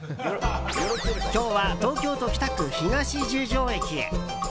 今日は東京都北区、東十条駅へ。